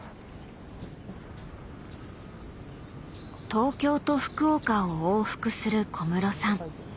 東京と福岡を往復する小室さん。